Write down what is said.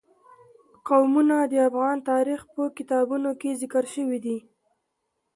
قومونه د افغان تاریخ په کتابونو کې ذکر شوی دي.